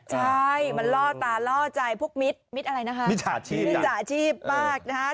ใช่มันล่อตาล่อใจพวกมิตรมิตรอะไรนะคะมิจฉาชีพมิจฉาชีพมากนะคะ